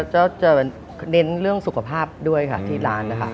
จะเน้นเรื่องสุขภาพด้วยค่ะที่ร้านนะคะ